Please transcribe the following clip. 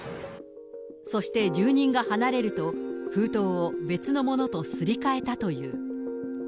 そして住人が離れると、封筒を別のものとすり替えたという。